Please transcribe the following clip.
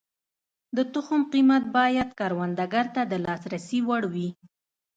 د تخم قیمت باید کروندګر ته د لاسرسي وړ وي.